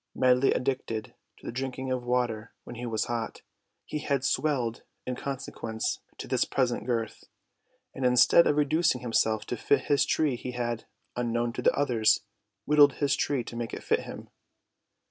Madly addicted to the drinking of water when he was hot, he had swelled in consequence to his present girth, and instead of reducing himself to fit his tree he had, unknown to the others, whittled his tree to make it fit him.